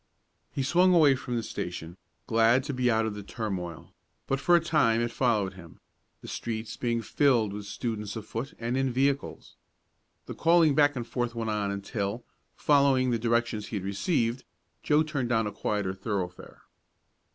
He swung away from the station, glad to be out of the turmoil, but for a time it followed him, the streets being filled with students afoot and in vehicles. The calling back and forth went on, until, following the directions he had received, Joe turned down a quieter thoroughfare.